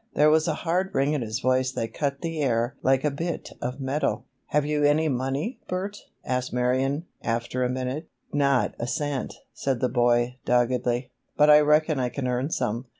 There was a hard ring in his voice that cut the air like a bit of metal. "Have you any money, Bert?" asked Marion, after a minute. "Not a cent," said the boy, doggedly; "but I reckon I can earn some.